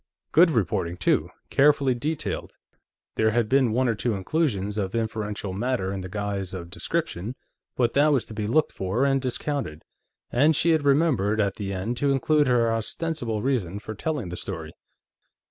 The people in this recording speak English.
Good reporting, too; carefully detailed. There had been one or two inclusions of inferential matter in the guise of description, but that was to be looked for and discounted. And she had remembered, at the end, to include her ostensible reason for telling the story.